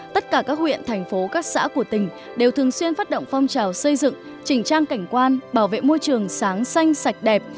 tất cả các huyện thành phố các xã của tỉnh đều thường xuyên phát động phong trào xây dựng chỉnh trang cảnh quan bảo vệ môi trường sáng xanh sạch đẹp